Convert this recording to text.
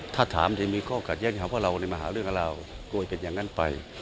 ถ้าถามจะมีโอกาสเยี่ยมของเราในมหาเรื่องราวกลัวว่าจะเป็นอย่างนั้นไป